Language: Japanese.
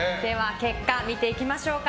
結果見ていきましょうか。